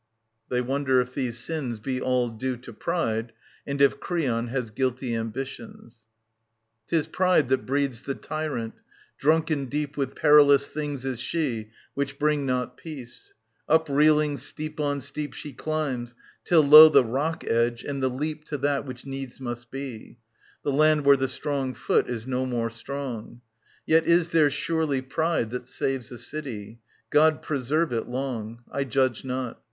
\^Ant't strophe, [They wonder if these sins be all due to pride and if Creon has guilty ambitions ; 'Tis Pride that breeds the tyrant ; drunken deep With perilous things is she, Which bring not peace : up, reeling, steep on steep She climbs, till lo, the rock edge, and the leap To that which needs must be, The land where the strong foot is no more strong ! Yet is there surely Pride That saves a city ; God preserve it long ! I judge not.